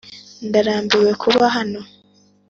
ndarambiwe kuba hano